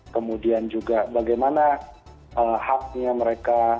kemudian juga bagaimana haknya mereka